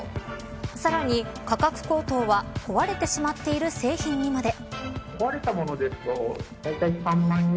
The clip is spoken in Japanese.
さらに価格高騰は壊れてしまっている製品にまで。